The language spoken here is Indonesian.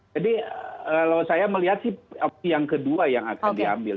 jadi kalau saya melihat sih yang kedua yang akan diambil